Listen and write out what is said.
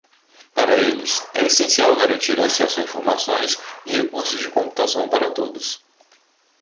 Para eles, é essencial garantir acesso a informações e recursos de computação para todos.